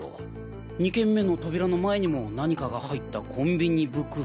２件目の扉の前にも何かが入ったコンビニ袋。